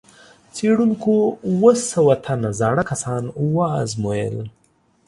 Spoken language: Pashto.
څېړونکو اووه سوه تنه زاړه کسان وازمویل.